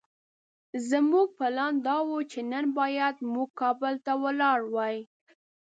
زموږ پلان دا وو چې نن بايد موږ کابل ته ولاړ وای.